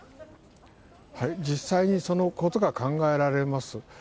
実際にそのことが考えられます。